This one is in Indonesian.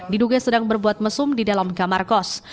diduga sedang berbuat mesum di dalam kamar kos